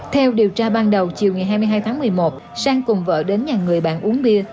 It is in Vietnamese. theo điều tra ban đầu chiều ngày hai mươi hai tháng một mươi một sang cùng vợ đến nhà người bạn uống bia